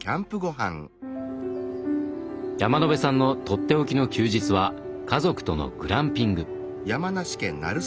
山野辺さんのとっておきの休日は家族とのグランピング。